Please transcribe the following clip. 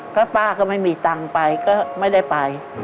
ถ้าป้าก็ไม่มีตังค์ไปก็ไม่ได้ไป